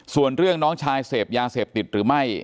ส่วนเรื่องน้องชายเสพยาเสพติดหรือไม่